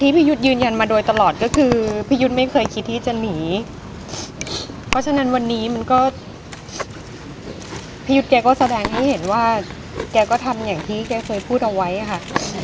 พี่ยุทธก็แสดงให้เห็นว่าแกก็ทำอย่างที่แกเคยพูดเอาไว้อะค่ะ